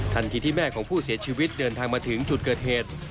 ที่แม่ของผู้เสียชีวิตเดินทางมาถึงจุดเกิดเหตุ